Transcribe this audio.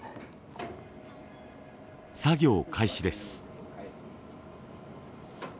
作業開始です。